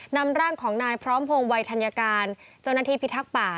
นำร่างของนายพร้อมพงศ์วัยธัญการเจ้าหน้าที่พิทักษ์ป่า